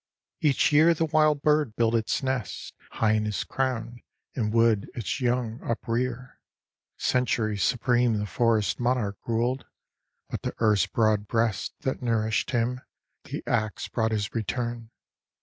Each year the wild bird built its nest High in his crown, and would its young uprear: Centuries supreme the Forest Monarch ruled; but to Earth's broad breast That nourished him, the ax brought his return.